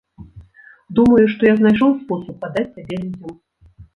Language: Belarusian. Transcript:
Думаю, што я знайшоў спосаб падаць сябе людзям.